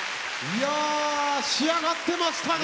いや仕上がってましたね。